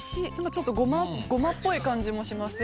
ちょっとゴマっぽい感じもしません？